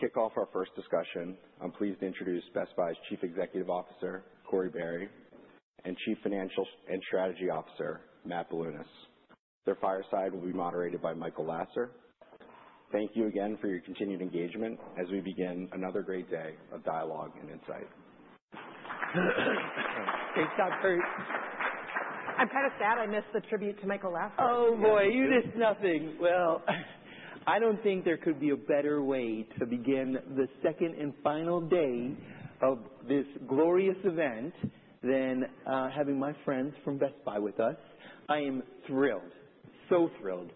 To kick off our first discussion, I'm pleased to introduce Best Buy's Chief Executive Officer, Corie Barry, and Chief Financial and Strategy Officer, Matt Bilunas. Their fireside will be moderated by Michael Lasser. Thank you again for your continued engagement as we begin another great day of dialogue and insight. Thanks, Scott. I'm kind of sad I missed the tribute to Michael Lasser. Oh, boy, you missed nothing. Well, I don't think there could be a better way to begin the second and final day of this glorious event than having my friends from Best Buy with us. I am thrilled, so thrilled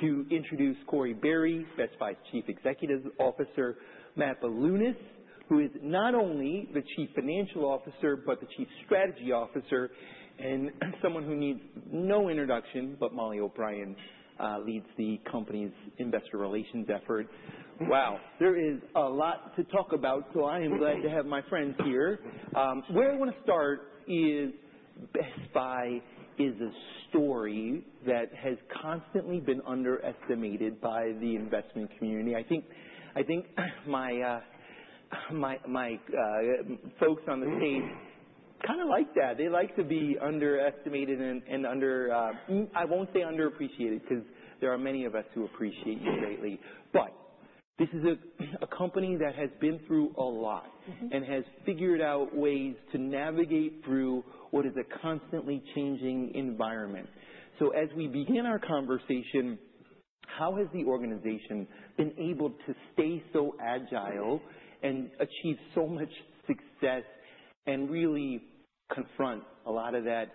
to introduce Corie Barry, Best Buy's Chief Executive Officer, Matt Bilunas, who is not only the Chief Financial Officer but the Chief Strategy Officer, and someone who needs no introduction, but Mollie O'Brien leads the company's investor relations effort. Wow, there is a lot to talk about, so I am glad to have my friends here. Where I wanna start is Best Buy is a story that has constantly been underestimated by the investment community. I think my folks on the team kinda like that. They like to be underestimated, I won't say underappreciated 'cause there are many of us who appreciate you greatly. This is a company that has been through a lot. Mm-hmm. has figured out ways to navigate through what is a constantly changing environment. As we begin our conversation, how has the organization been able to stay so agile and achieve so much success and really confront a lot of that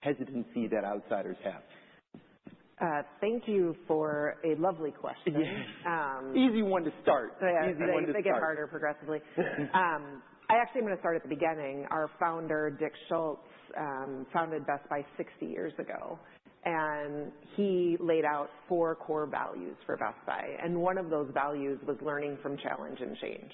hesitancy that outsiders have? Thank you for a lovely question. Yes. Easy one to start. Yeah. Easy one to start. They get harder progressively. I actually am gonna start at the beginning. Our founder, Dick Schulze, founded Best Buy 60 years ago, and he laid out four core values for Best Buy, and one of those values was learning from challenge and change.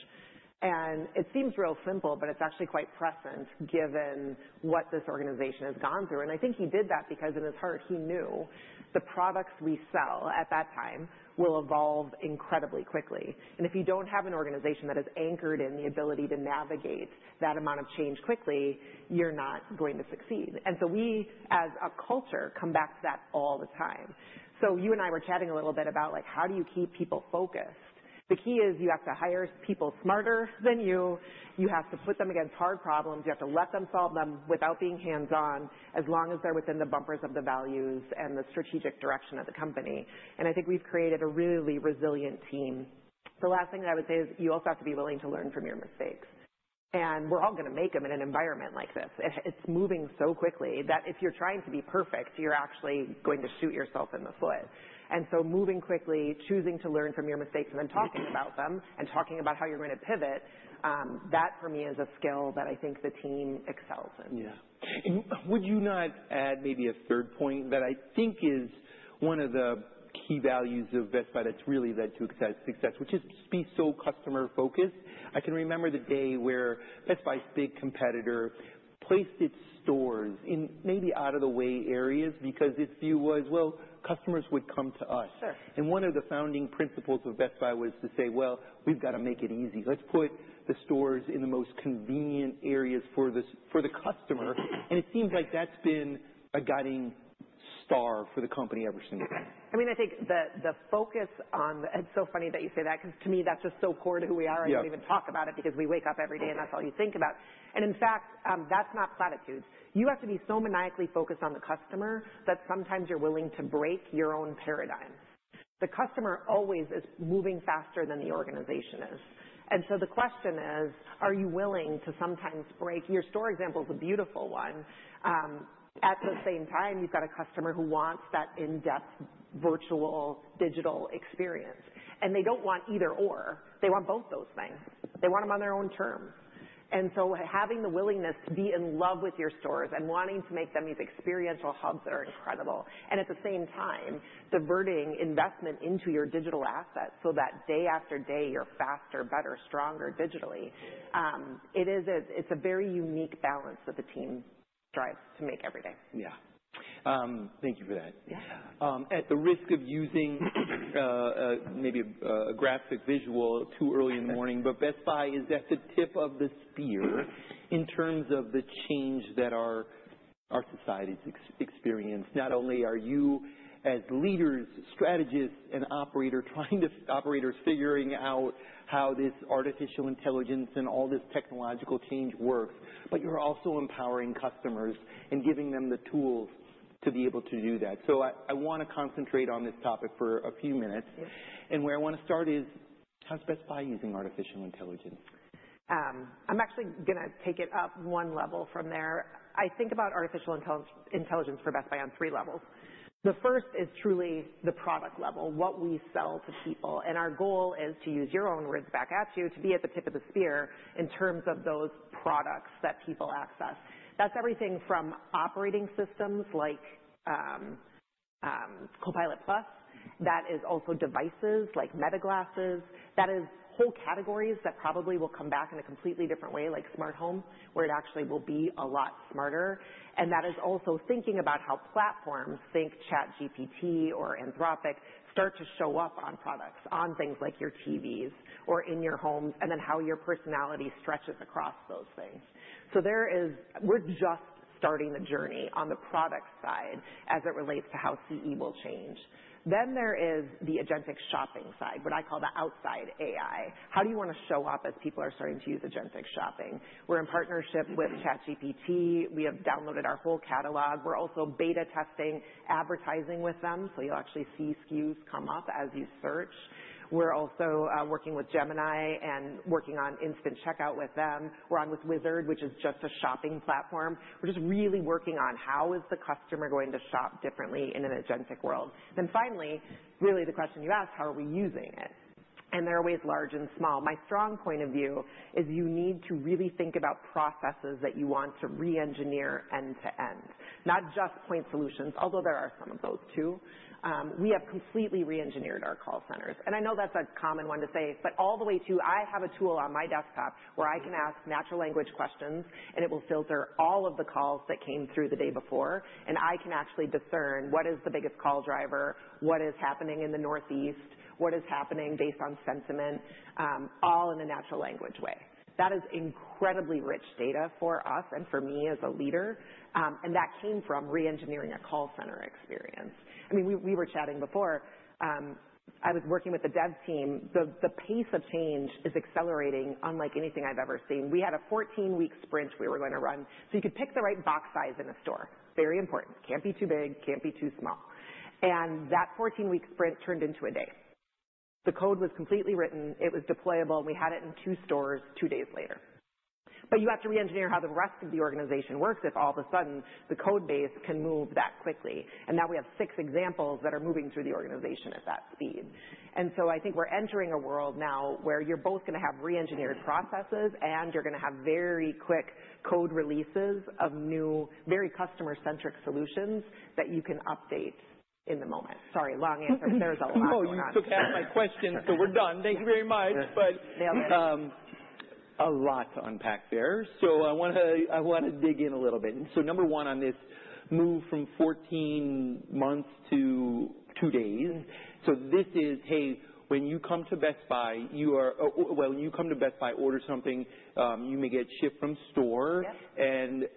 It seems real simple, but it's actually quite prescient given what this organization has gone through, and I think he did that because in his heart he knew the products we sell at that time will evolve incredibly quickly. If you don't have an organization that is anchored in the ability to navigate that amount of change quickly, you're not going to succeed. We, as a culture, come back to that all the time. You and I were chatting a little bit about, like, how do you keep people focused? The key is you have to hire people smarter than you. You have to put them against hard problems, you have to let them solve them without being hands-on, as long as they're within the bumpers of the values and the strategic direction of the company, and I think we've created a really resilient team. The last thing that I would say is you also have to be willing to learn from your mistakes. We're all gonna make them in an environment like this. It's moving so quickly that if you're trying to be perfect, you're actually going to shoot yourself in the foot. Moving quickly, choosing to learn from your mistakes, and then talking about them and talking about how you're gonna pivot, that for me is a skill that I think the team excels in. Yeah. Would you not add maybe a third point that I think is one of the key values of Best Buy that's really led to its success, which is being so customer-focused. I can remember the day where Best Buy's big competitor placed its stores in maybe out of the way areas because its view was, "Well, customers would come to us. Sure. One of the founding principles of Best Buy was to say, "Well, we've gotta make it easy. Let's put the stores in the most convenient areas for the customer." It seems like that's been a guiding star for the company every single day. I mean, it's so funny that you say that, 'cause to me that's just so core to who we are. Yeah. I don't even talk about it because we wake up every day and that's all you think about. In fact, that's not platitude. You have to be so maniacally focused on the customer that sometimes you're willing to break your own paradigm. The customer always is moving faster than the organization is. The question is, your store example is a beautiful one. At the same time, you've got a customer who wants that in-depth virtual digital experience, and they don't want either/or, they want both those things. They want them on their own terms. Having the willingness to be in love with your stores and wanting to make them these experiential hubs that are incredible and at the same time diverting investment into your digital assets so that day after day you're faster, better, stronger digitally. Yeah. It's a very unique balance that the team strives to make every day. Yeah. Thank you for that. Yeah. At the risk of using maybe a graphic visual too early in the morning, but Best Buy is at the tip of the spear in terms of the change that our society's experienced. Not only are you as leaders, strategists and operators figuring out how this artificial intelligence and all this technological change works, but you're also empowering customers and giving them the tools to be able to do that. I wanna concentrate on this topic for a few minutes. Yeah. Where I wanna start is how's Best Buy using artificial intelligence? I'm actually gonna take it up one level from there. I think about artificial intelligence for Best Buy on three levels. The first is truly the product level, what we sell to people, and our goal is, to use your own words back at you, to be at the tip of the spear in terms of those products that people access. That's everything from operating systems like, Copilot+ PC. That is also devices like Ray-Ban Meta. That is whole categories that probably will come back in a completely different way, like smart home, where it actually will be a lot smarter. That is also thinking about how platforms, think ChatGPT or Anthropic, start to show up on products, on things like your TVs or in your home, and then how your personality stretches across those things. We're just starting the journey on the product side as it relates to how CE will change. There is the agentic shopping side, what I call the outside AI. How do you wanna show up as people are starting to use agentic shopping? We're in partnership with ChatGPT. We have downloaded our whole catalog. We're also beta testing advertising with them, so you'll actually see SKUs come up as you search. We're also working with Gemini and working on instant checkout with them. We're on with Wizard, which is just a shopping platform. We're just really working on how is the customer going to shop differently in an agentic world. Finally, really the question you asked, how are we using it? There are ways large and small. My strong point of view is you need to really think about processes that you want to re-engineer end to end, not just point solutions, although there are some of those too. We have completely re-engineered our call centers, and I know that's a common one to say, but all the way to I have a tool on my desktop where I can ask natural language questions, and it will filter all of the calls that came through the day before, and I can actually discern what is the biggest call driver, what is happening in the Northeast, what is happening based on sentiment, all in a natural language way. That is incredibly rich data for us and for me as a leader. That came from re-engineering a call center experience. I mean, we were chatting before. I was working with the dev team. The pace of change is accelerating unlike anything I've ever seen. We had a 14-week sprint we were gonna run, so you could pick the right box size in a store. Very important. Can't be too big, can't be too small. That 14-week sprint turned into a day. The code was completely written. It was deployable. We had it in two stores two days later. You have to re-engineer how the rest of the organization works if all of a sudden the code base can move that quickly. Now we have six examples that are moving through the organization at that speed. I think we're entering a world now where you're both gonna have re-engineered processes, and you're gonna have very quick code releases of new, very customer-centric solutions that you can update in the moment. Sorry, long answer. There's a lot going on. No, you took half my questions, so we're done. Thank you very much. Nailed it. A lot to unpack there. I wanna dig in a little bit. Number one on this move from 14 months to two days. This is, hey, when you come to Best Buy, order something, you may get ship from store. Yep.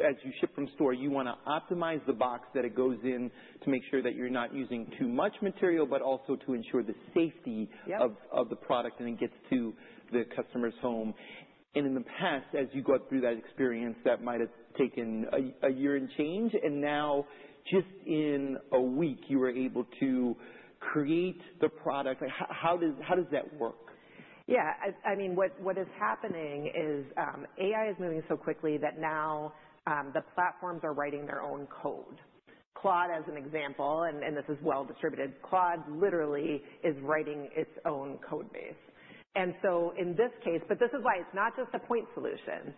As you ship from store, you wanna optimize the box that it goes in to make sure that you're not using too much material, but also to ensure the safety. Yep. of the product, and it gets to the customer's home. In the past, as you go through that experience, that might have taken a year and change, and now just in a week you were able to create the product. How does that work? Yeah. I mean, what is happening is, AI is moving so quickly that now, the platforms are writing their own code. Claude, as an example, and this is well distributed, Claude literally is writing its own code base. In this case, this is why it's not just a point solution.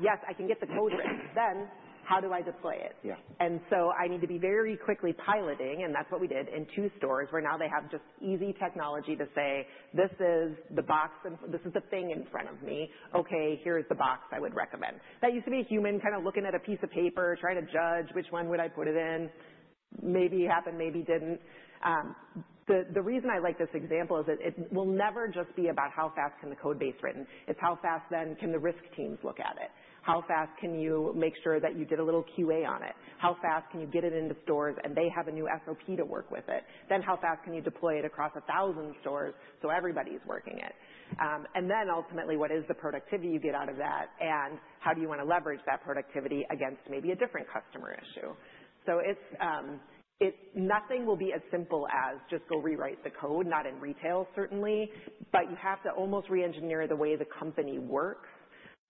Yes, I can get the code written. Then how do I display it? Yeah. I need to be very quickly piloting, and that's what we did in 2 stores, where now they have just easy technology to say, "This is the box. This is the thing in front of me. Okay, here is the box I would recommend." That used to be a human kind of looking at a piece of paper, trying to judge which one would I put it in. Maybe it happened, maybe didn't. The reason I like this example is that it will never just be about how fast can the code base written. It's how fast then can the risk teams look at it? How fast can you make sure that you get a little QA on it? How fast can you get it into stores and they have a new SOP to work with it? How fast can you deploy it across 1,000 stores so everybody's working it? Ultimately, what is the productivity you get out of that, and how do you wanna leverage that productivity against maybe a different customer issue? Nothing will be as simple as just go rewrite the code, not in retail certainly. You have to almost re-engineer the way the company works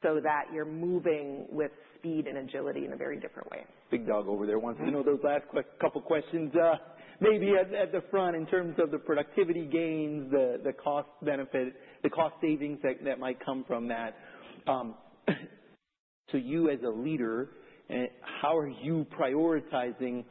so that you're moving with speed and agility in a very different way. Big dog over there wants to know those last couple questions. Maybe at the front in terms of the productivity gains, the cost benefit, the cost savings that might come from that, to you as a leader, how are you prioritizing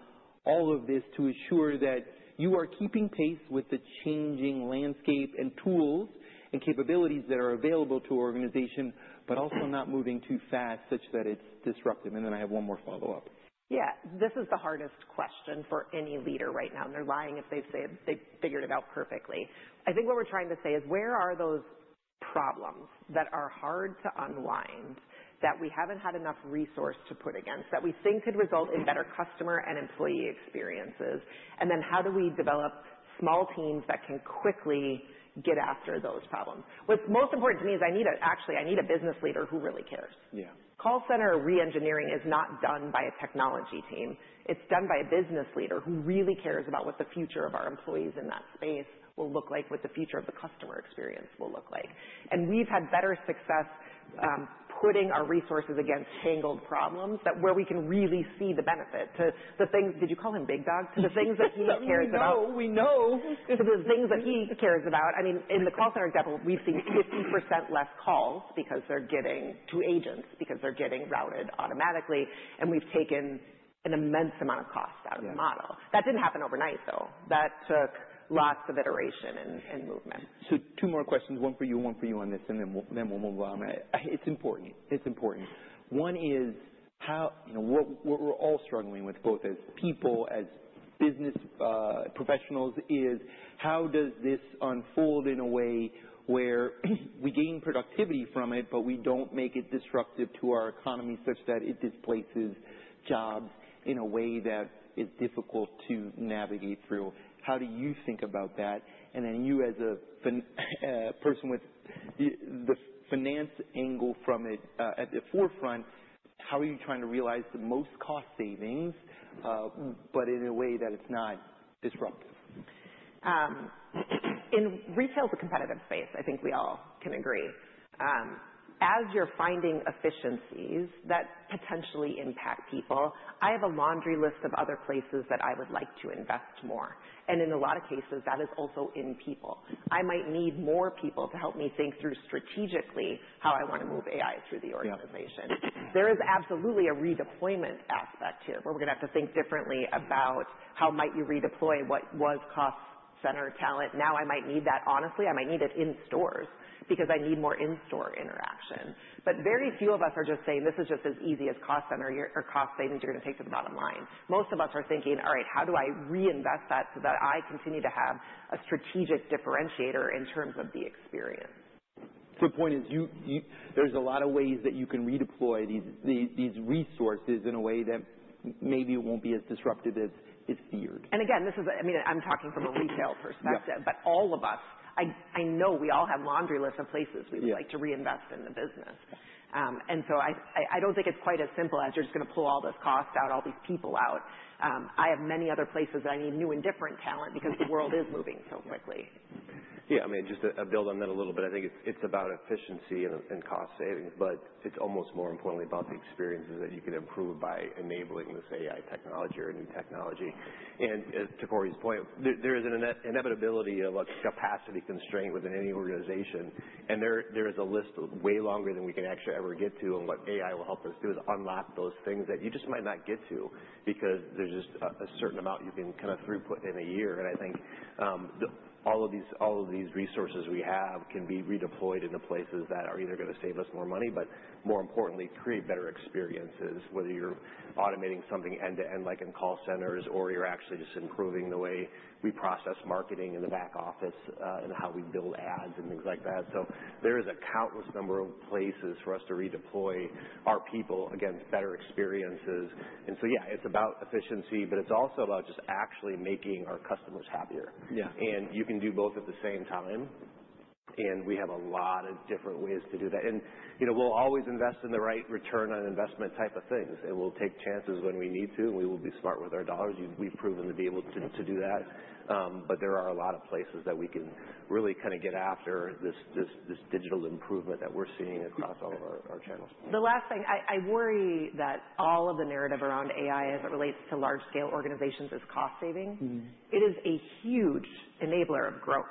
all of this to ensure that you are keeping pace with the changing landscape and tools and capabilities that are available to your organization, but also not moving too fast such that it's disruptive? I have one more follow-up. Yeah. This is the hardest question for any leader right now, and they're lying if they say they've figured it out perfectly. I think what we're trying to say is where are those problems that are hard to unwind that we haven't had enough resource to put against, that we think could result in better customer and employee experiences? How do we develop small teams that can quickly get after those problems? What's most important to me is actually, I need a business leader who really cares. Yeah. Call center re-engineering is not done by a technology team. It's done by a business leader who really cares about what the future of our employees in that space will look like, what the future of the customer experience will look like. We've had better success, putting our resources against tangled problems that we can really see the benefit to the things. Did you call him Big Dog? To the things that he cares about. We know. To the things that he cares about. I mean, in the call center example, we've seen 50% less calls because they're getting routed automatically, and we've taken an immense amount of cost out of the model. Yeah. That didn't happen overnight, though. That took lots of iteration and movement. Two more questions, one for you, one for you on this, and then we'll move on. It's important. One is how, you know, what we're all struggling with, both as people, as business professionals, is how does this unfold in a way where we gain productivity from it, but we don't make it disruptive to our economy, such that it displaces jobs in a way that is difficult to navigate through? How do you think about that? Then you as a person with the finance angle from it at the forefront, how are you trying to realize the most cost savings, but in a way that it's not disruptive? Retail is a competitive space, I think we all can agree. As you're finding efficiencies that potentially impact people, I have a laundry list of other places that I would like to invest more. In a lot of cases, that is also in people. I might need more people to help me think through strategically how I wanna move AI through the organization. Yeah. There is absolutely a redeployment aspect to it, where we're gonna have to think differently about how might you redeploy what was cost center talent. Now I might need that. Honestly, I might need it in stores because I need more in-store interaction. Very few of us are just saying, "This is just as easy as cost center or cost savings you're gonna take to the bottom line." Most of us are thinking, "All right, how do I reinvest that so that I continue to have a strategic differentiator in terms of the experience? The point is, there's a lot of ways that you can redeploy these resources in a way that maybe it won't be as disruptive as feared. Again, I mean, I'm talking from a retail perspective. Yeah. All of us, I know we all have laundry lists of places. Yeah. We would like to reinvest in the business. I don't think it's quite as simple as you're just gonna pull all this cost out, all these people out. I have many other places that I need new and different talent because the world is moving so quickly. Yeah. Yeah. I mean, just to build on that a little bit. I think it's about efficiency and cost savings, but it's almost more importantly about the experiences that you can improve by enabling this AI technology or new technology. To Corie's point, there is an inevitability of a capacity constraint within any organization, and there is a list way longer than we can actually ever get to on what AI will help us do, is unlock those things that you just might not get to because there's just a certain amount you can kind of throughput in a year. I think the All of these resources we have can be redeployed into places that are either gonna save us more money, but more importantly, create better experiences, whether you're automating something end-to-end, like in call centers, or you're actually just improving the way we process marketing in the back office, and how we build ads and things like that. There is a countless number of places for us to redeploy our people, again, better experiences. Yeah, it's about efficiency, but it's also about just actually making our customers happier. Yeah. You can do both at the same time. We have a lot of different ways to do that. You know, we'll always invest in the right return on investment type of things, and we'll take chances when we need to, and we will be smart with our dollars. We've proven to be able to do that. But there are a lot of places that we can really kinda get after this digital improvement that we're seeing across all of our channels. The last thing. I worry that all of the narrative around AI as it relates to large scale organizations is cost-saving. Mm-hmm. It is a huge enabler of growth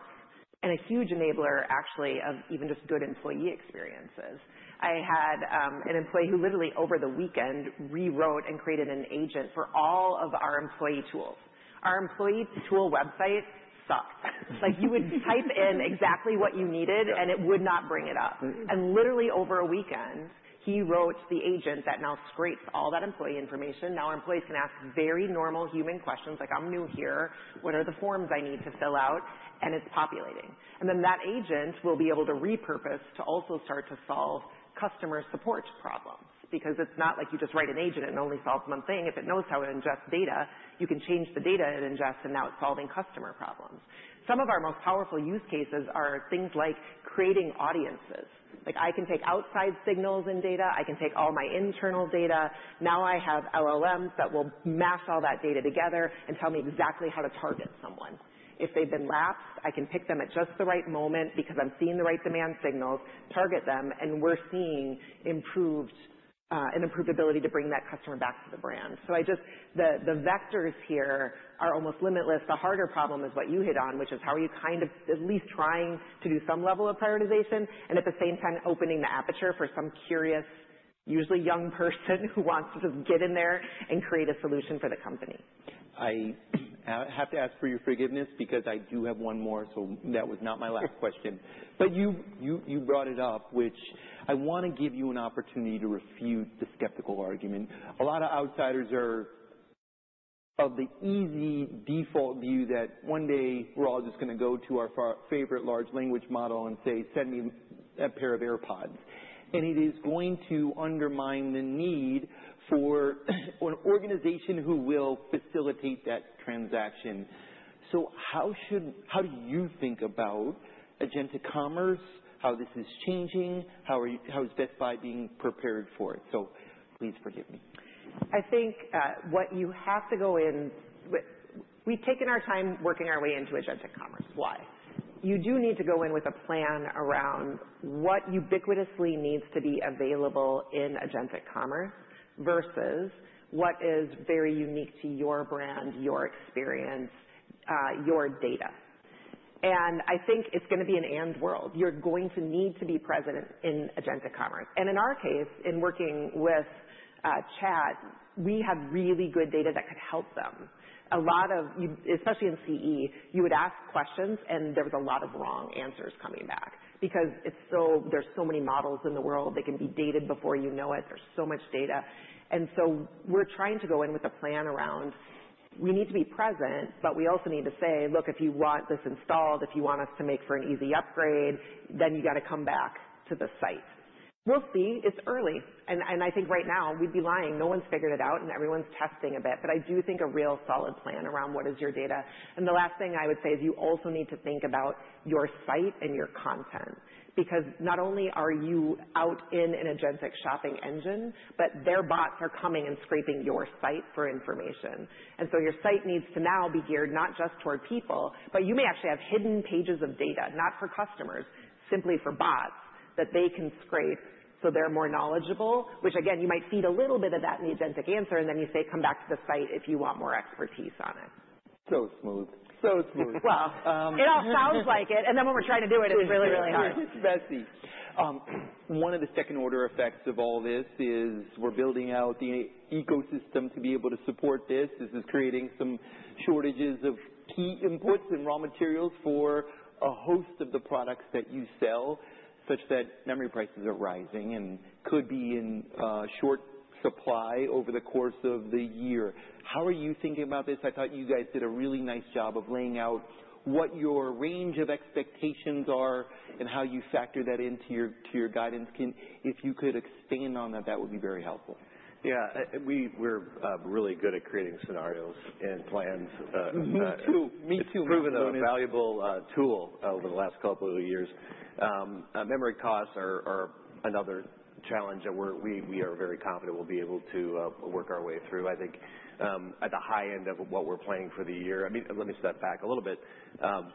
and a huge enabler, actually, of even just good employee experiences. I had an employee who literally over the weekend rewrote and created an agent for all of our employee tools. Our employee tool website sucked. Like, you would type in exactly what you needed, and it would not bring it up. Literally over a weekend, he wrote the agent that now scrapes all that employee information. Now our employees can ask very normal human questions like, "I'm new here. What are the forms I need to fill out?" It's populating. That agent will be able to repurpose to also start to solve customer support problems. Because it's not like you just write an agent and it only solves one thing. If it knows how to ingest data, you can change the data it ingests, and now it's solving customer problems. Some of our most powerful use cases are things like creating audiences. Like, I can take outside signals and data, I can take all my internal data. Now I have LLMs that will mash all that data together and tell me exactly how to target someone. If they've been lapsed, I can pick them at just the right moment because I'm seeing the right demand signals, target them, and we're seeing an improved ability to bring that customer back to the brand. The vectors here are almost limitless. The harder problem is what you hit on, which is how are you kind of at least trying to do some level of prioritization and at the same time opening the aperture for some curious, usually young person who wants to just get in there and create a solution for the company. I have to ask for your forgiveness because I do have one more, so that was not my last question. You brought it up, which I wanna give you an opportunity to refute the skeptical argument. A lot of outsiders are of the easy default view that one day we're all just gonna go to our favorite large language model and say, "Send me a pair of AirPods." It is going to undermine the need for an organization who will facilitate that transaction. How do you think about agentic commerce, how this is changing? How is Best Buy being prepared for it? Please forgive me. We've taken our time working our way into agentic commerce. Why? You do need to go in with a plan around what ubiquitously needs to be available in agentic commerce versus what is very unique to your brand, your experience, your data. I think it's gonna be an and world. You're going to need to be present in agentic commerce. In our case, in working with ChatGPT, we have really good data that could help them. A lot of especially in CE, you would ask questions, and there was a lot of wrong answers coming back because it's so. There's so many models in the world. They can be dated before you know it. There's so much data. We're trying to go in with a plan around. We need to be present, but we also need to say, "Look, if you want this installed, if you want us to make for an easy upgrade, then you got to come back to the site." We'll see. It's early. I think right now we'd be lying. No one's figured it out, and everyone's testing a bit. I do think a real solid plan around what is your data. The last thing I would say is you also need to think about your site and your content, because not only are you out in an agentic shopping engine, but their bots are coming and scraping your site for information. Your site needs to now be geared not just toward people, but you may actually have hidden pages of data, not for customers, simply for bots, that they can scrape so they're more knowledgeable, which again, you might feed a little bit of that in the agentic answer, and then you say, "Come back to the site if you want more expertise on it. Smooth. Smooth. Well, it all sounds like it, and then when we're trying to do it's really, really hard. It's messy. One of the second order effects of all this is we're building out the ecosystem to be able to support this. This is creating some shortages of key imports and raw materials for a host of the products that you sell, such that memory prices are rising and could be in short supply over the course of the year. How are you thinking about this? I thought you guys did a really nice job of laying out what your range of expectations are and how you factor that into your guidance. If you could expand on that would be very helpful. Yeah. We're really good at creating scenarios and plans. Me too. Me too. It's proven a valuable tool over the last couple of years. Memory costs are another challenge that we are very confident we'll be able to work our way through. I think at the high end of what we're planning for the year. I mean, let me step back a little bit.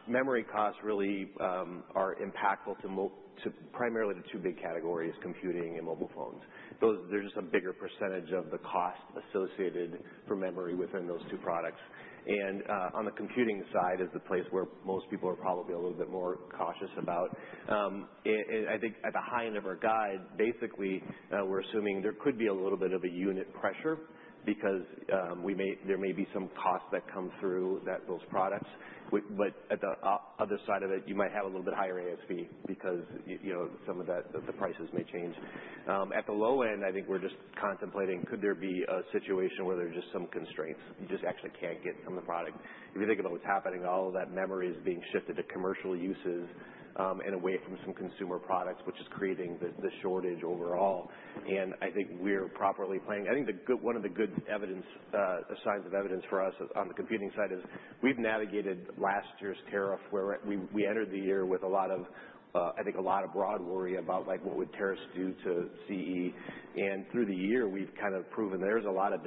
Memory costs really are impactful to primarily the two big categories, computing and mobile phones. They're just a bigger percentage of the cost associated for memory within those two products. On the computing side is the place where most people are probably a little bit more cautious about. I think at the high end of our guide, basically, we're assuming there could be a little bit of a unit pressure because there may be some costs that come through to those products. But at the other side of it, you might have a little bit higher ASP because, you know, some of that, the prices may change. At the low end, I think we're just contemplating could there be a situation where there's just some constraints. You just actually can't get from the product. If you think about what's happening, all of that memory is being shifted to commercial uses, and away from some consumer products, which is creating the shortage overall. I think we're properly planning. I think one of the good signs of evidence for us on the computing side is we've navigated last year's tariff, where we entered the year with a lot of, I think, broad worry about like what would tariffs do to CE. Through the year, we've kind of proven there was a lot of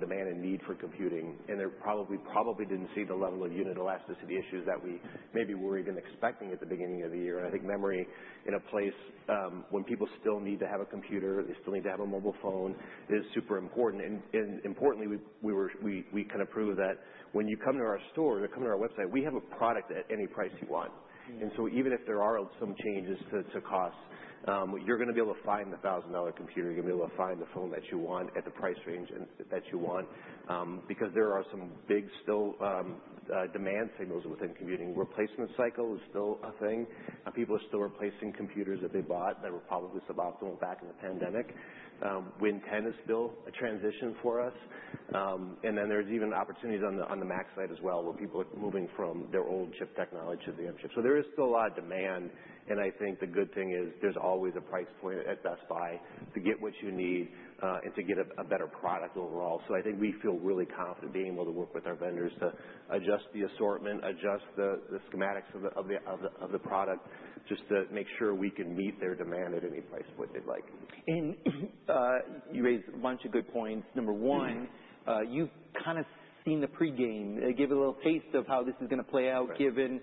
demand and need for computing, and we probably didn't see the level of unit elasticity issues that we maybe were even expecting at the beginning of the year. I think memory in a place, when people still need to have a computer, they still need to have a mobile phone, is super important. Importantly, we kind of proved that when you come to our store, come to our website, we have a product at any price you want. Even if there are some changes to costs, you're gonna be able to find the $1,000 computer, you're gonna be able to find the phone that you want at the price range that you want, because there are some big, still demand signals within computing. Replacement cycle is still a thing. People are still replacing computers that they bought that were probably suboptimal back in the pandemic. Windows 10 is still a transition for us. There's even opportunities on the Mac side as well, where people are moving from their old chip technology to the M series. There is still a lot of demand, and I think the good thing is there's always a price point at Best Buy to get what you need, and to get a better product overall. I think we feel really confident being able to work with our vendors to adjust the assortment, adjust the schematics of the product, just to make sure we can meet their demand at any price point they'd like. You raised a bunch of good points. Number one, you've kind of seen the pre-game, gave it a little taste of how this is gonna play out. Right. Given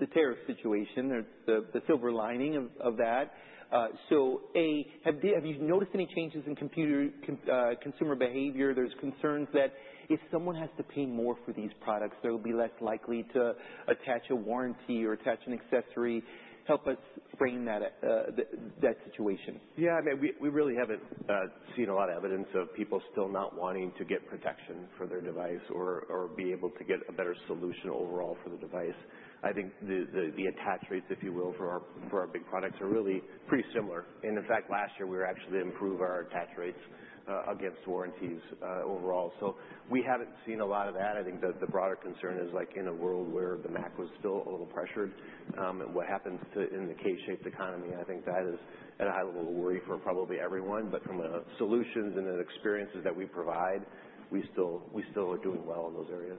the tariff situation. There's the silver lining of that. Have you noticed any changes in consumer behavior? There's concerns that if someone has to pay more for these products, they'll be less likely to attach a warranty or attach an accessory. Help us frame that situation. Yeah. I mean, we really haven't seen a lot of evidence of people still not wanting to get protection for their device or be able to get a better solution overall for the device. I think the attach rates, if you will, for our big products are really pretty similar. In fact, last year, we were actually to improve our attach rates against warranties overall. We haven't seen a lot of that. I think the broader concern is, like, in a world where the Mac was still a little pressured, and what happens to in the K-shaped economy. I think that is a high-level worry for probably everyone. From a solutions and the experiences that we provide, we still are doing well in those areas.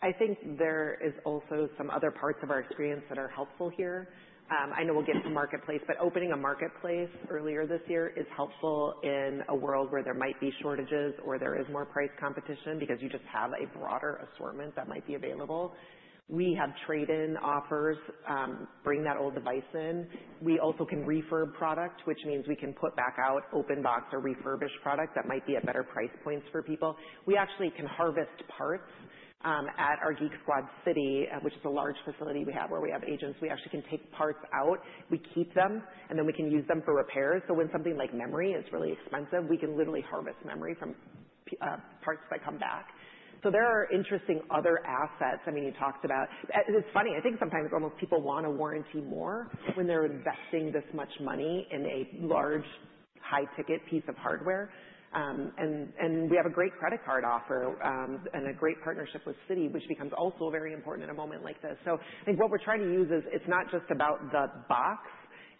I think there is also some other parts of our experience that are helpful here. I know we'll get to Marketplace, opening a Marketplace earlier this year is helpful in a world where there might be shortages or there is more price competition because you just have a broader assortment that might be available. We have trade-in offers, bring that old device in. We also can refurb product, which means we can put back out open box or refurbished product that might be at better price points for people. We actually can harvest parts at our Geek Squad City, which is a large facility we have where we have agents. We actually can take parts out, we keep them, and then we can use them for repairs. When something like memory is really expensive, we can literally harvest memory from parts that come back. There are interesting other assets. I mean, you talked about. It's funny, I think sometimes almost people want to warranty more when they're investing this much money in a large high-ticket piece of hardware. And we have a great credit card offer, and a great partnership with Citi, which becomes also very important in a moment like this. I think what we're trying to use is it's not just about the box,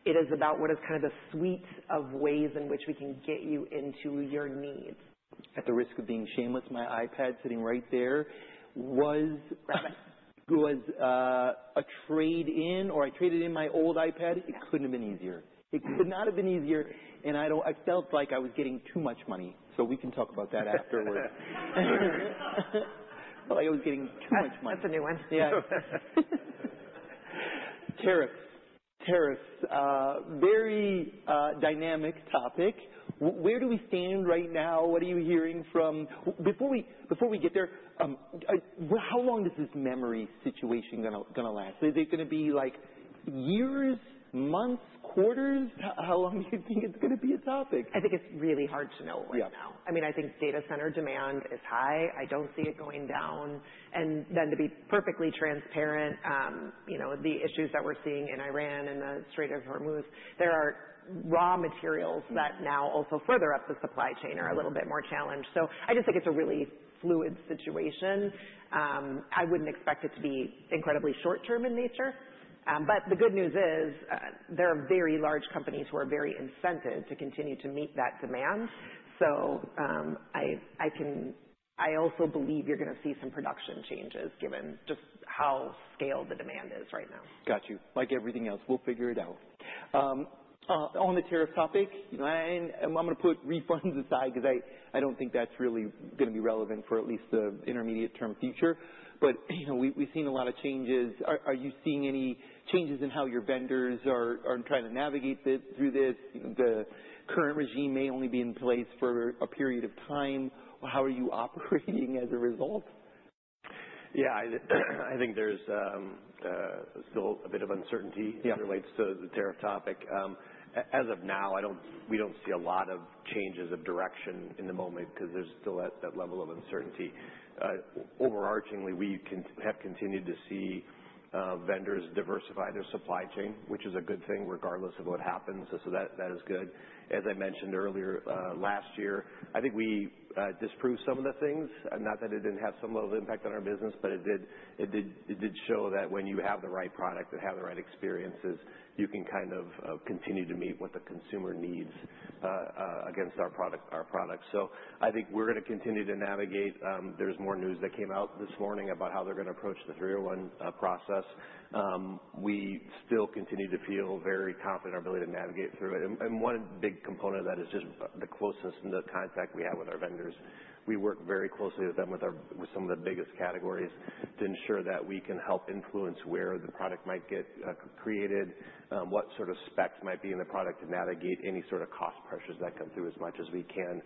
it is about what is kind of the suite of ways in which we can get you into your needs. At the risk of being shameless, my iPad sitting right there was a trade-in, or I traded in my old iPad. Yeah. It couldn't have been easier. It could not have been easier, and I felt like I was getting too much money. We can talk about that afterwards. Felt like I was getting too much money. That's a new one. Yeah. Tariffs. Very dynamic topic. Where do we stand right now? What are you hearing from? Before we get there, how long is this memory situation gonna last? Is it gonna be like years, months, quarters? How long do you think it's gonna be a topic? I think it's really hard to know right now. Yeah. I mean, I think data center demand is high. I don't see it going down. To be perfectly transparent, you know, the issues that we're seeing in Iran and the Strait of Hormuz, there are raw materials that now also further up the supply chain are a little bit more challenged. I just think it's a really fluid situation. I wouldn't expect it to be incredibly short term in nature. The good news is, there are very large companies who are very incented to continue to meet that demand. I also believe you're gonna see some production changes given just how scaled the demand is right now. Got you. Like everything else, we'll figure it out. On the tariff topic, and I'm gonna put refunds aside because I don't think that's really gonna be relevant for at least the intermediate term future. You know, we've seen a lot of changes. Are you seeing any changes in how your vendors are trying to navigate through this? The current regime may only be in place for a period of time. How are you operating as a result? Yeah. I think there's still a bit of uncertainty. Yeah As it relates to the tariff topic. As of now, we don't see a lot of changes of direction at the moment because there's still that level of uncertainty. Overarchingly, we have continued to see vendors diversify their supply chain, which is a good thing regardless of what happens. That is good. As I mentioned earlier, last year, I think we disproved some of the things, not that it didn't have some level of impact on our business, but it did show that when you have the right product and have the right experiences, you can kind of continue to meet what the consumer needs against our products. I think we're gonna continue to navigate. There's more news that came out this morning about how they're gonna approach the 301 process. We still continue to feel very confident in our ability to navigate through it. One big component of that is just the closeness and the contact we have with our vendors. We work very closely with them with some of the biggest categories to ensure that we can help influence where the product might get created, what sort of specs might be in the product to navigate any sort of cost pressures that come through as much as we can.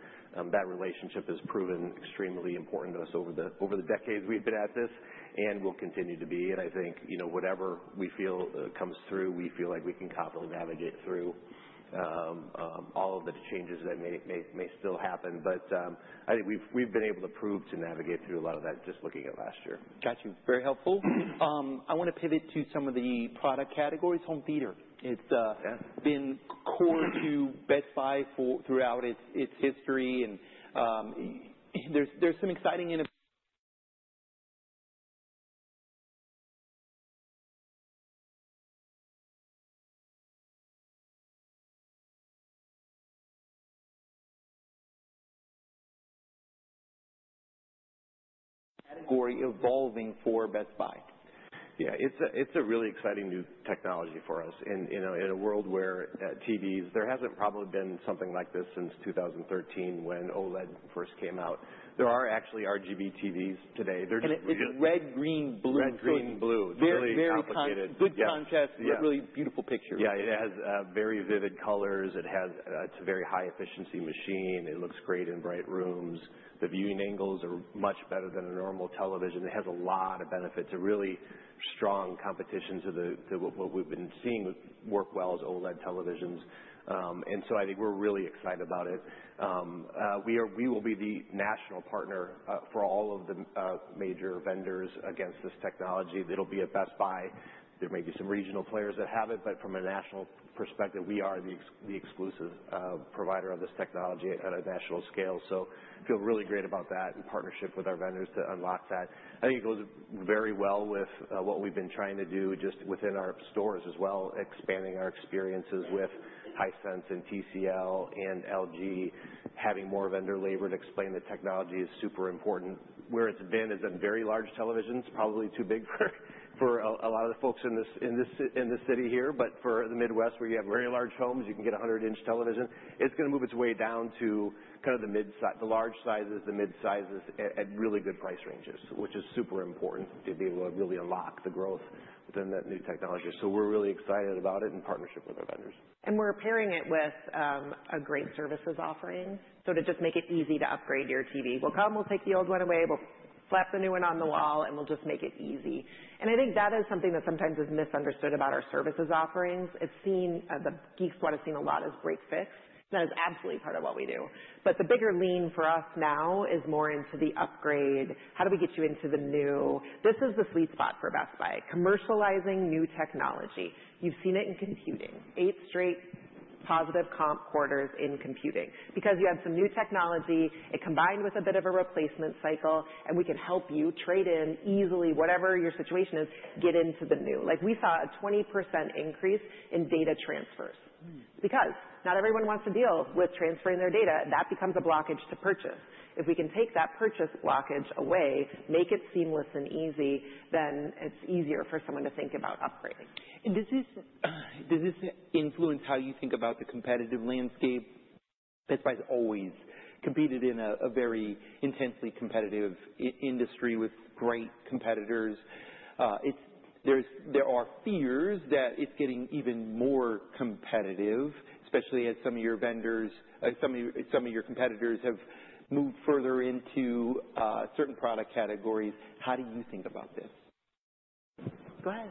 That relationship has proven extremely important to us over the decades we've been at this and will continue to be. I think, you know, whatever we feel comes through, we feel like we can confidently navigate through all of the changes that may still happen. I think we've been able to prove to navigate through a lot of that just looking at last year. Got you. Very helpful. I wanna pivot to some of the product categories. Home theater. Yeah. It's been core to Best Buy throughout its history and there's some exciting category evolving for Best Buy. Yeah, it's a really exciting new technology for us. In you know, in a world where TVs, there hasn't probably been something like this since 2013 when OLED first came out. There are actually RGB TVs today. They're just. It's red, green, blue. Red, green, blue. Very, very. Really complicated. Good contrast. Yeah. Really beautiful picture. Yeah. It has very vivid colors. It's a very high efficiency machine. It looks great in bright rooms. The viewing angles are much better than a normal television. It has a lot of benefits. A really strong competitor to what we've been seeing work well is OLED televisions. I think we're really excited about it. We will be the national partner for all of the major vendors of this technology. It'll be at Best Buy. There may be some regional players that have it, but from a national perspective, we are the exclusive provider of this technology at a national scale. Feel really great about that in partnership with our vendors to unlock that. I think it goes very well with what we've been trying to do just within our stores as well, expanding our experiences with Hisense and TCL and LG. Having more vendor labor to explain the technology is super important. Where it's been is in very large televisions, probably too big for a lot of the folks in this city here, but for the Midwest, where you have very large homes, you can get a 100-inch television. It's gonna move its way down to kind of the large sizes, the mid sizes at really good price ranges, which is super important to be able to really unlock the growth within that new technology. We're really excited about it in partnership with our vendors. We're pairing it with a great services offering. To just make it easy to upgrade your TV. We'll come, we'll take the old one away, we'll slap the new one on the wall, and we'll just make it easy. I think that is something that sometimes is misunderstood about our services offerings. It's seen as the Geek Squad has seen a lot of break-fix. That is absolutely part of what we do. The bigger lean for us now is more into the upgrade. How do we get you into the new? This is the sweet spot for Best Buy, commercializing new technology. You've seen it in computing. Eighth straight quarter positive comp quarters in computing because you have some new technology. It combined with a bit of a replacement cycle, and we can help you trade in easily, whatever your situation is, get into the new. Like we saw a 20% increase in data transfers because not everyone wants to deal with transferring their data. That becomes a blockage to purchase. If we can take that purchase blockage away, make it seamless and easy, then it's easier for someone to think about upgrading. Does this influence how you think about the competitive landscape? Best Buy's always competed in a very intensely competitive industry with great competitors. There are fears that it's getting even more competitive, especially as some of your competitors have moved further into certain product categories. How do you think about this? Go ahead.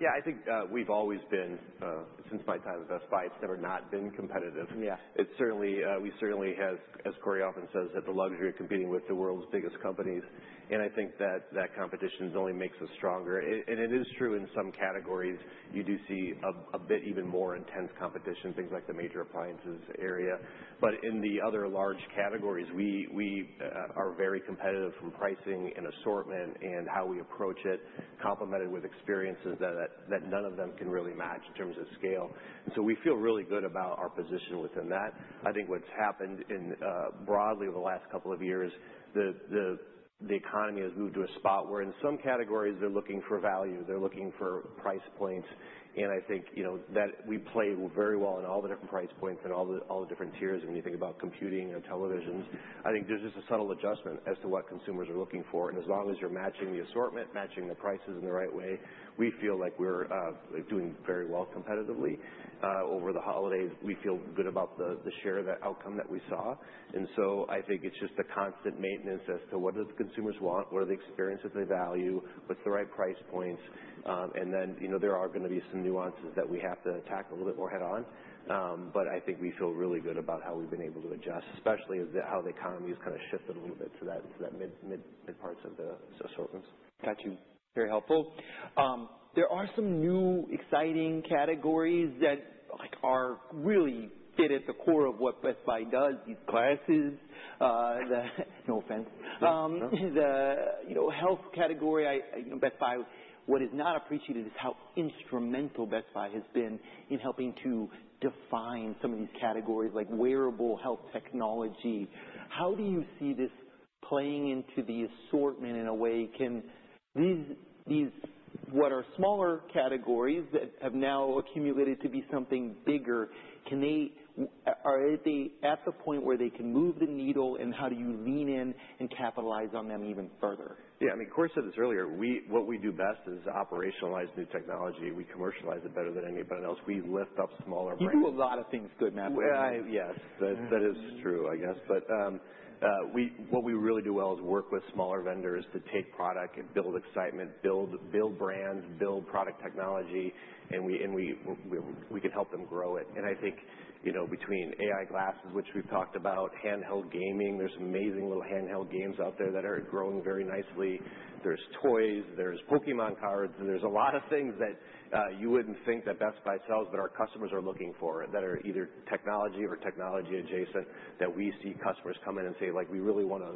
Yeah, I think we've always been, since my time at Best Buy, it's never not been competitive. Yes. We certainly have, as Corie often says, had the luxury of competing with the world's biggest companies, and I think that competition only makes us stronger. It is true in some categories you do see a bit even more intense competition, things like the major appliances area. In the other large categories, we are very competitive from pricing and assortment and how we approach it, complemented with experiences that none of them can really match in terms of scale. We feel really good about our position within that. I think what's happened in broadly over the last couple of years, the economy has moved to a spot where in some categories, they're looking for value, they're looking for price points, and I think, you know, that we play very well in all the different price points and all the different tiers when you think about computing and televisions. I think there's just a subtle adjustment as to what consumers are looking for, and as long as you're matching the assortment, matching the prices in the right way, we feel like we're doing very well competitively. Over the holidays, we feel good about the share of that outcome that we saw. I think it's just a constant maintenance as to what do the consumers want, what are the experiences they value, what's the right price points. you know, there are gonna be some nuances that we have to attack a little bit more head on. I think we feel really good about how we've been able to adjust, especially how the economy has kinda shifted a little bit to that mid parts of the assortments. Got you. Very helpful. There are some new exciting categories that, like, are really fit at the core of what Best Buy does, these glasses, the no offense. No. You know, health category. You know, Best Buy, what is not appreciated is how instrumental Best Buy has been in helping to define some of these categories like wearable health technology. How do you see this playing into the assortment? In a way, can these, what are smaller categories that have now accumulated to be something bigger, can they? Are they at the point where they can move the needle, and how do you lean in and capitalize on them even further? Yeah. I mean, Corie said this earlier, what we do best is operationalize new technology. We commercialize it better than anybody else. We lift up smaller brands. You do a lot of things good, Matt. Yes. That is true, I guess. What we really do well is work with smaller vendors to take product and build excitement, build brands, build product technology, and we can help them grow it. I think, you know, between AI glasses, which we've talked about, handheld gaming, there's some amazing little handheld games out there that are growing very nicely. There's toys, there's Pokémon cards, and there's a lot of things that you wouldn't think that Best Buy sells that our customers are looking for that are either technology or technology adjacent, that we see customers come in and say, like, "We really wanna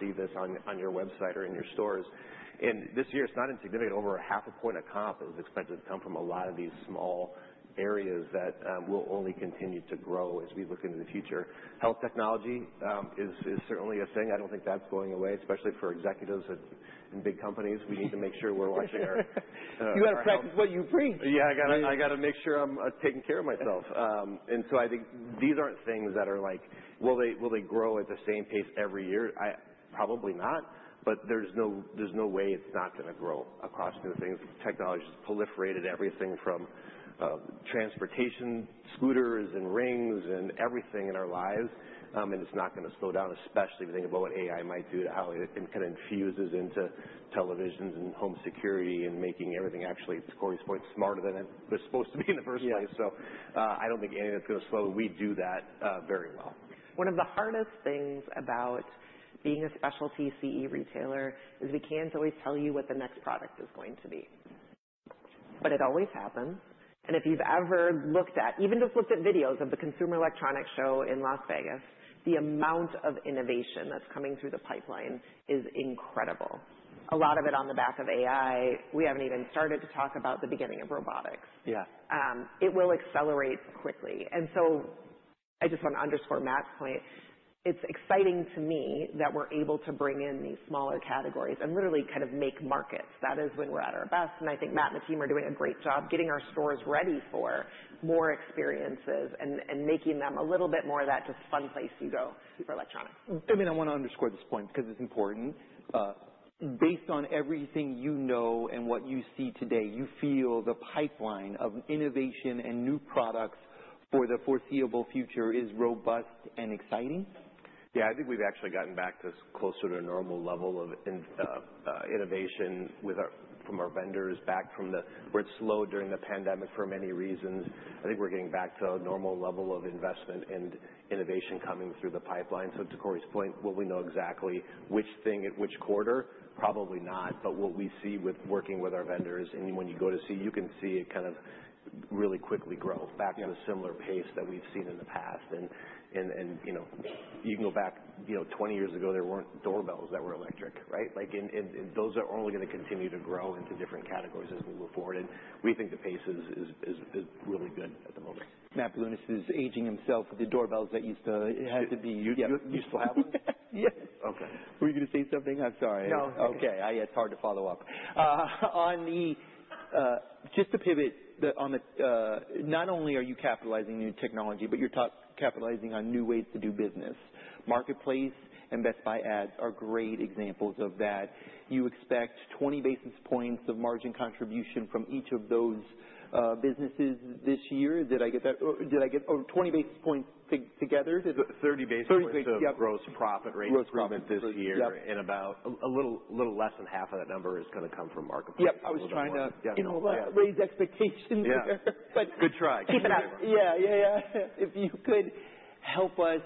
see this on your website or in your stores." This year it's not insignificant, over a 1/2 a point of comp is expected to come from a lot of these small areas that will only continue to grow as we look into the future. Health technology is certainly a thing. I don't think that's going away, especially for executives in big companies. We need to make sure we're watching our health. You gotta practice what you preach. Yeah. I gotta make sure I'm taking care of myself. I think these aren't things that are like, will they grow at the same pace every year? Probably not, but there's no way it's not gonna grow across new things. Technology's proliferated everything from transportation, scooters and rings and everything in our lives, it's not gonna slow down, especially if you think about what AI might do, how it can kinda infuses into televisions and home security and making everything actually, to Corie's point, smarter than it was supposed to be in the first place. Yeah. I don't think any of that's gonna slow. We do that very well. One of the hardest things about being a specialty CE retailer is we can't always tell you what the next product is going to be. It always happens, and if you've ever looked at, even just looked at videos of the Consumer Electronics Show in Las Vegas, the amount of innovation that's coming through the pipeline is incredible. A lot of it on the back of AI, we haven't even started to talk about the beginning of robotics. Yeah. It will accelerate quickly. I just wanna underscore Matt's point. It's exciting to me that we're able to bring in these smaller categories and really kind of make markets. That is when we're at our best, and I think Matt and the team are doing a great job getting our stores ready for more experiences and making them a little bit more of that just fun place you go to for electronics. I mean, I wanna underscore this point because it's important. Based on everything you know and what you see today, you feel the pipeline of innovation and new products for the foreseeable future is robust and exciting? Yeah, I think we've actually gotten back to closer to a normal level of innovation with our vendors back from where it slowed during the pandemic for many reasons. I think we're getting back to a normal level of investment and innovation coming through the pipeline. To Corie's point, will we know exactly which thing at which quarter? Probably not. What we see with working with our vendors and when you go to see, you can see it kind of really quickly grow back to a similar pace that we've seen in the past. You know, you can go back, you know, 20 years ago, there weren't doorbells that were electric, right? Like, those are only gonna continue to grow into different categories as we move forward. We think the pace is really good at the moment. Matt Bilunas is aging himself with the doorbells that used to. You still have them? Yes. Okay. Were you gonna say something? I'm sorry. No. Okay. It's hard to follow up. Just to pivot. Not only are you capitalizing on new technology, but you're capitalizing on new ways to do business. Marketplace and Best Buy Ads are great examples of that. You expect 20 basis points of margin contribution from each of those businesses this year. Did I get 20 basis points together? 30 basis points. 30 basis, yep. of gross profit rate improvement this year. Yep. About a little less than 1/2 of that number is gonna come from Marketplace. Yep. I was trying to, you know, raise expectations there. Yeah. Good try. Keep it up. Yeah, yeah. If you could help us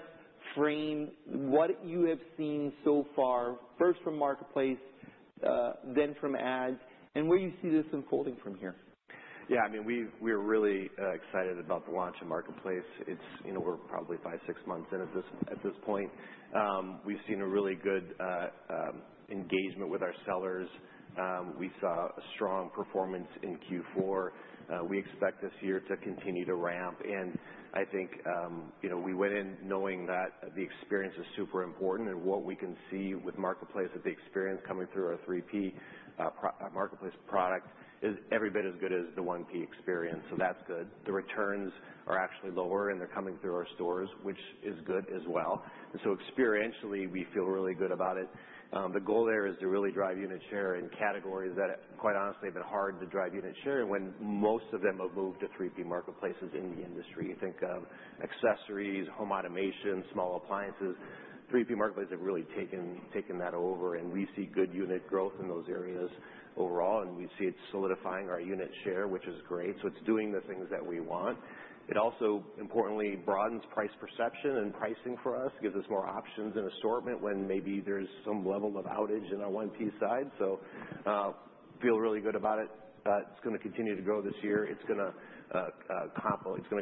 frame what you have seen so far, first from Marketplace, then from Ads, and where you see this unfolding from here. Yeah, I mean, we're really excited about the launch of Marketplace. It's, you know, we're probably five months, six months in at this point. We've seen a really good engagement with our sellers. We saw a strong performance in Q4. We expect this year to continue to ramp. I think, you know, we went in knowing that the experience is super important and what we can see with Marketplace, with the experience coming through our 3P Marketplace product is every bit as good as the 1P experience, so that's good. The returns are actually lower, and they're coming through our stores, which is good as well. Experientially, we feel really good about it. The goal there is to really drive unit share in categories that have, quite honestly, been hard to drive unit share, and when most of them have moved to 3P marketplaces in the industry. You think of accessories, home automation, small appliances. 3P marketplaces have really taken that over, and we see good unit growth in those areas overall, and we see it solidifying our unit share, which is great. It's doing the things that we want. It also, importantly, broadens price perception and pricing for us, gives us more options and assortment when maybe there's some level of outage in our 1P side. Feel really good about it. It's gonna continue to grow this year. It's gonna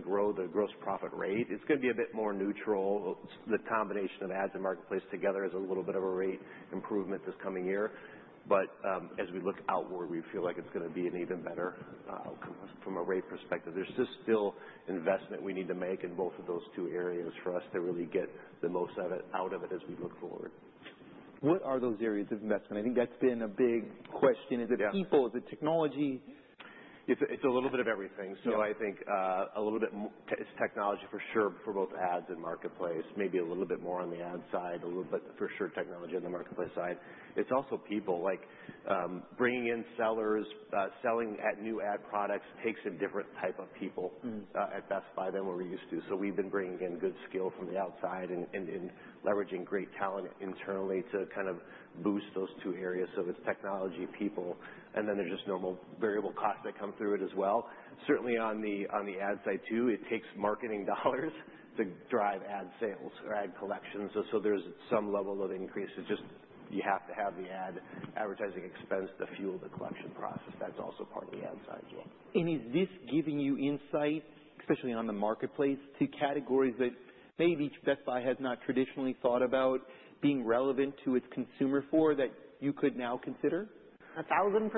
grow the gross profit rate. It's gonna be a bit more neutral. The combination of Ads and Marketplace together is a little bit of a rate improvement this coming year. As we look outward, we feel like it's gonna be an even better outcome from a rate perspective. There's just still investment we need to make in both of those two areas for us to really get the most out of it as we look forward. What are those areas of investment? I think that's been a big question. Is it people? Is it technology? It's a little bit of everything. Yeah. I think it's technology for sure, for both Ads and Marketplace, maybe a little bit more on the Ads side, a little bit for sure technology on the Marketplace side. It's also people, like bringing in sellers, selling and new ad products takes a different type of people. Mm. at Best Buy than what we're used to. We've been bringing in good skill from the outside and leveraging great talent internally to kind of boost those two areas. It's technology people, and then there's just normal variable costs that come through it as well. Certainly on the ad side, too, it takes marketing dollars to drive ad sales or ad collections. There's some level of increase. It's just you have to have the ad advertising expense to fuel the collection process. That's also part of the ad side as well. Is this giving you insight, especially on the Marketplace, to categories that maybe Best Buy has not traditionally thought about being relevant to its consumer for that you could now consider? 1,000%.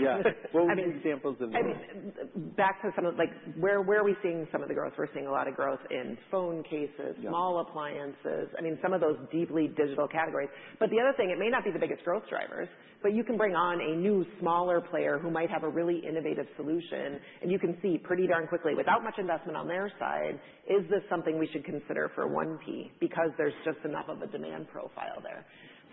Yeah. What would be examples of those? I mean, back to some of, like, where are we seeing some of the growth? We're seeing a lot of growth in phone cases. Yeah. Small appliances, I mean, some of those deeply digital categories. The other thing, it may not be the biggest growth drivers, but you can bring on a new smaller player who might have a really innovative solution, and you can see pretty darn quickly, without much investment on their side, is this something we should consider for 1P? Because there's just enough of a demand profile there.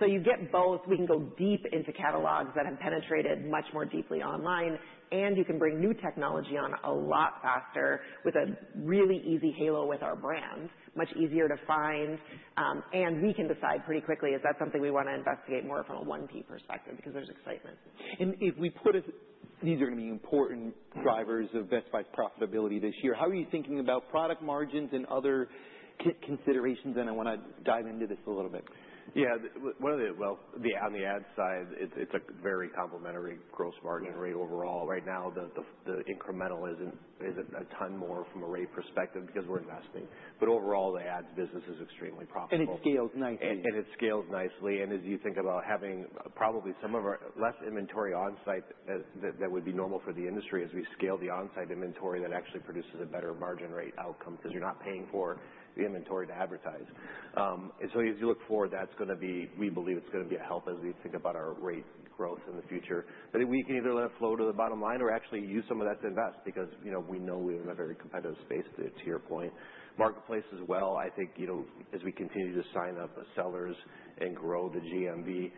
You get both. We can go deep into catalogs that have penetrated much more deeply online, and you can bring new technology on a lot faster with a really easy halo with our brands, much easier to find, and we can decide pretty quickly if that's something we wanna investigate more from a 1P perspective because there's excitement. If we put aside, these are gonna be important drivers of Best Buy's profitability this year, how are you thinking about product margins and other considerations? I wanna dive into this a little bit. Yeah. Well, on the Ads side, it's a very complementary gross margin rate overall. Right now, the incremental isn't a ton more from a rate perspective because we're investing. Overall, the Ads business is extremely profitable. It scales nicely. It scales nicely. As you think about having probably some of our less inventory on-site that would be normal for the industry as we scale the on-site inventory, that actually produces a better margin rate outcome because you're not paying for the inventory to advertise. So as you look forward, we believe that's gonna be a help as we think about our rate growth in the future. We can either let it flow to the bottom line or actually use some of that to invest because, you know, we know we live in a very competitive space to your point. Marketplace as well, I think, you know, as we continue to sign up sellers and grow the GMV,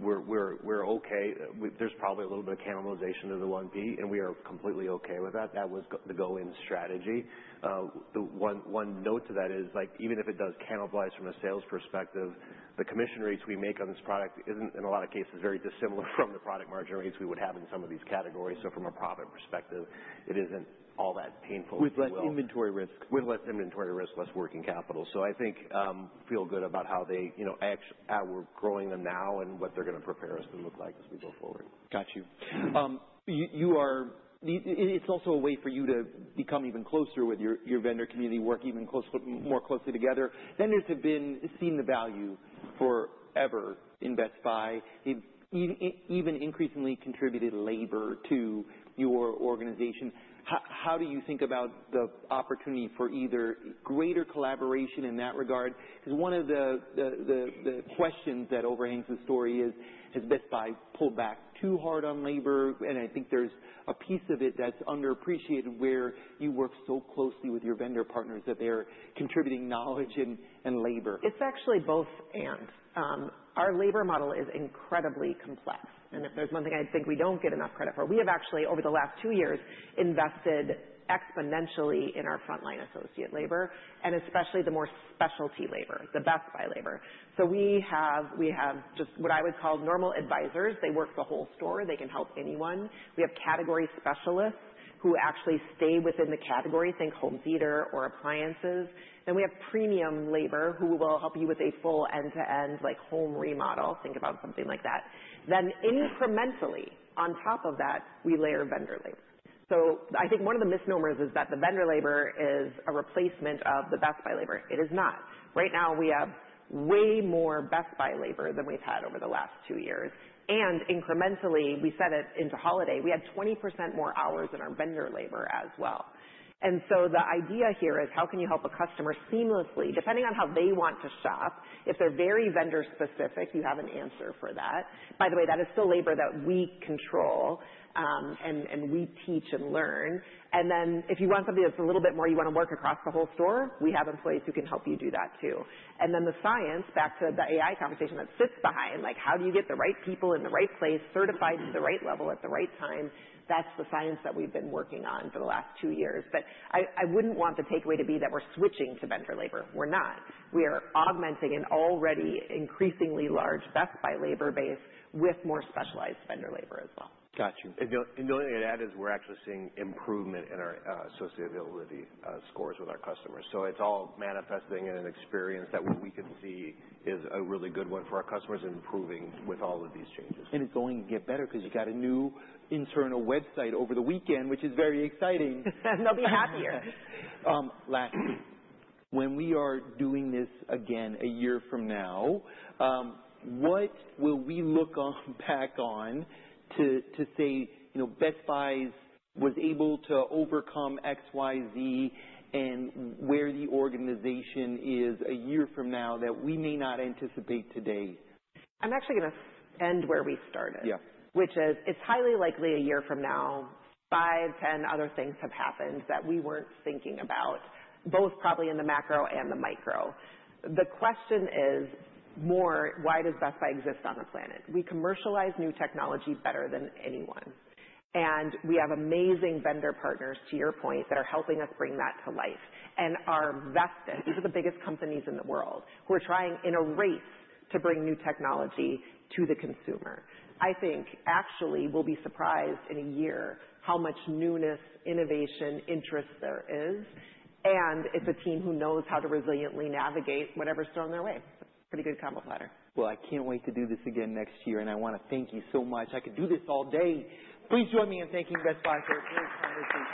we're okay. There's probably a little bit of cannibalization of the 1P, and we are completely okay with that. That was the go-in strategy. The one note to that is, like, even if it does cannibalize from a sales perspective, the commission rates we make on this product isn't, in a lot of cases, very dissimilar from the product margin rates we would have in some of these categories. From a profit perspective, it isn't all that painful. With less inventory risk. With less inventory risk, less working capital. I think feel good about how they, you know, how we're growing them now and what they're gonna prepare us to look like as we go forward. Got you. It's also a way for you to become even closer with your vendor community, work more closely together. Vendors have been seeing the value forever in Best Buy, even increasingly contributed labor to your organization. How do you think about the opportunity for either greater collaboration in that regard? 'Cause one of the questions that overhangs the story is, has Best Buy pulled back too hard on labor? I think there's a piece of it that's underappreciated where you work so closely with your vendor partners that they're contributing knowledge and labor. It's actually both and. Our labor model is incredibly complex, and if there's one thing I think we don't get enough credit for, we have actually over the last two years, invested exponentially in our frontline associate labor and especially the more specialty labor, the Best Buy labor. We have just what I would call normal advisors. They work the whole store. They can help anyone. We have category specialists who actually stay within the category. Think home theater or appliances. We have premium labor who will help you with a full end-to-end, like home remodel. Think about something like that. Incrementally on top of that, we layer vendor labor. I think one of the misnomers is that the vendor labor is a replacement of the Best Buy labor. It is not. Right now we have way more Best Buy labor than we've had over the last two years. Incrementally, we added into holiday, we had 20% more hours in our vendor labor as well. The idea here is how can you help a customer seamlessly, depending on how they want to shop, if they're very vendor specific, you have an answer for that. By the way, that is still labor that we control, and we teach and learn. If you want something that's a little bit more, you wanna work across the whole store, we have employees who can help you do that too. The science, back to the AI conversation that sits behind, like how do you get the right people in the right place, certified at the right level at the right time? That's the science that we've been working on for the last two years. I wouldn't want the takeaway to be that we're switching to vendor labor. We're not. We are augmenting an already increasingly large Best Buy labor base with more specialized vendor labor as well. Got you. The only thing I'd add is we're actually seeing improvement in our associate availability scores with our customers. It's all manifesting in an experience that we can see is a really good one for our customers and improving with all of these changes. It's going to get better because you got a new internal website over the weekend, which is very exciting. They'll be happier. When we are doing this again a year from now, what will we look back on to say, you know, Best Buy was able to overcome X, Y, Z and where the organization is a year from now that we may not anticipate today? I'm actually gonna end where we started. Yeah. Which is, it's highly likely a year from now, five, ten other things have happened that we weren't thinking about, both probably in the macro and the micro. The question is more, why does Best Buy exist on the planet? We commercialize new technology better than anyone, and we have amazing vendor partners, to your point, that are helping us bring that to life. Investors, these are the biggest companies in the world who are trying in a race to bring new technology to the consumer. I think actually we'll be surprised in a year how much newness, innovation, interest there is. It's a team who knows how to resiliently navigate whatever's thrown their way. It's a pretty good combo platter. Well, I can't wait to do this again next year, and I wanna thank you so much. I could do this all day. Please join me in thanking Best Buy for their tremendous contribution.